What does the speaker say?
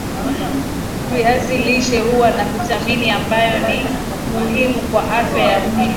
viazi lishe huwa na vitamini ambayo ni muhimu kwa afya ya mwili